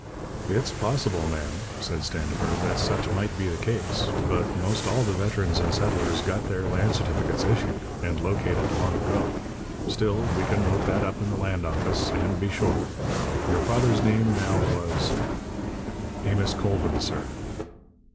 "It's possible, ma'am," said Standifer, "that such might be the case. But 'most all the veterans and settlers got their land certificates issued, and located long ago. Still, we can look that up in the land office, and be sure. Your father's name, now, was " "Amos Colvin, sir."